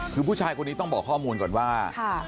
คือผู้ชายคนนี้ต้องบอกข้อมูลก่อนว่า